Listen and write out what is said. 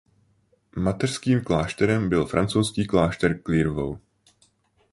Mateřským klášterem byl francouzský klášter Clairvaux.